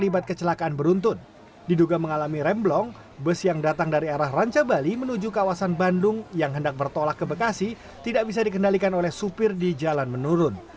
diduga mengalami remblong bus yang datang dari arah ranca bali menuju kawasan bandung yang hendak bertolak ke bekasi tidak bisa dikendalikan oleh supir di jalan menurun